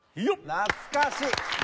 懐かしい！